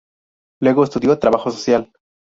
Luego estudió trabajo social.